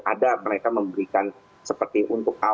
ada mereka memberikan seperti untuk